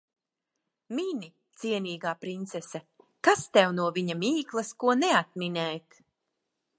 Mini, cienīgā princese. Kas tev no viņa mīklas ko neatminēt.